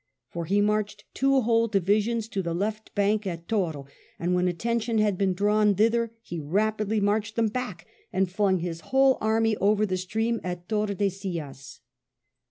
For he marched two whole divisions to the left bank at Toro, and when attention had been drawn thither, he rapidly marched them back, and flung his whole army over the stream at Tordesillas.